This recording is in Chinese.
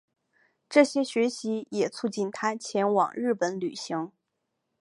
这些学习也促成他前往日本旅行。